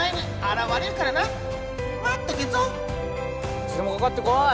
・いつでもかかってこい！